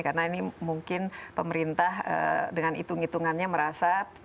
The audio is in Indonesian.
karena ini mungkin pemerintah dengan hitung hitungannya merasa